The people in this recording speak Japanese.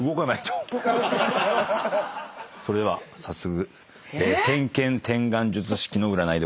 それでは早速。